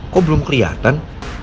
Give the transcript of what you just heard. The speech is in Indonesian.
kok belum keliatan